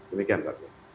demikian pak budi